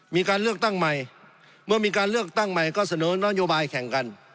มีการเลือกตั้งใหม่เมื่อมีการเลือกตั้งใหม่ก็เสนอนโยบายแข่งกัน